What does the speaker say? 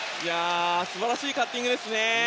素晴らしいカッティングですね。